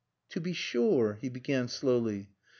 "To be sure!" he began slowly.